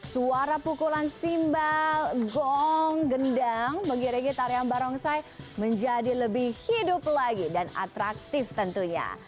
suara pukulan simbol gong gendang mengirigi tarian barong sai menjadi lebih hidup lagi dan atraktif tentunya